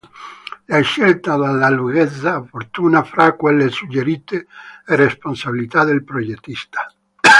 La scelta della lunghezza opportuna fra quelle suggerite è responsabilità del progettista.